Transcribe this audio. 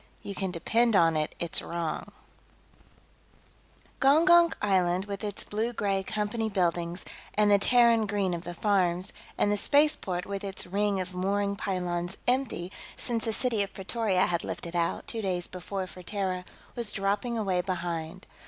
You Can Depend on It It's Wrong Gongonk Island, with its blue gray Company buildings, and the Terran green of the farms, and the spaceport with its ring of mooring pylons empty since the City of Pretoria had lifted out, two days before, for Terra, was dropping away behind.